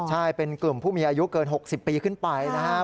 ใช่เป็นกลุ่มผู้มีอายุเกิน๖๐ปีขึ้นไปนะครับ